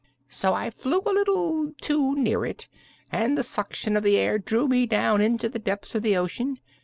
So I flew a little too near it and the suction of the air drew me down into the depths of the ocean.